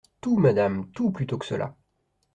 Tout, madame, tout plutôt que cela !